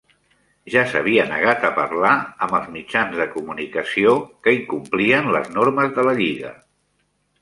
Ja s'havia negat a parlar amb els mitjans de comunicació, que incomplien les normes de la lliga.